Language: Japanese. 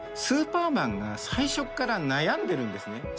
スーパーマンが最初っから悩んでるんですね。